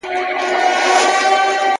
بيا خو هم دى د مدعـا اوبـو ته اور اچــوي!!